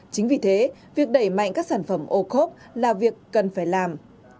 chính vì thế việc đẩy mạnh các sản phẩm ô khốp là việc cần phải làm